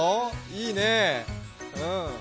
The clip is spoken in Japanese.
いいね。